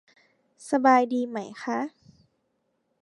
สบายดีไหมค่ะ